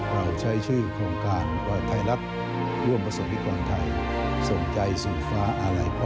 เราใช้ชื่อโครงการวัลตาไทยรักร่วมประสบพิกันไทยส่งใจสูญฟ้าอาลัยพ่อ